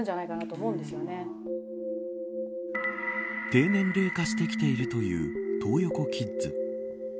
低年齢化してきているというトー横キッズ。